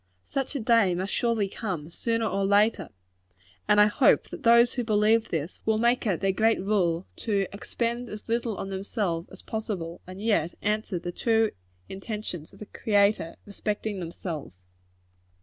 Such a day must surely come, sooner or later; and I hope that those who believe this, will make it their great rule to expend as little on themselves as possible, and yet answer the true intentions of the Creator respecting themselves.